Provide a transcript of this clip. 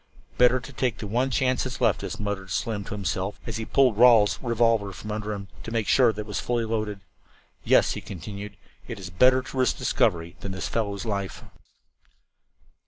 "Better to take the one chance that's left us," muttered Slim to himself, as he pulled Rawle's revolver from under him, to make sure that it was fully loaded. "Yes," he continued, "it's better to risk discovery than this fellow's life."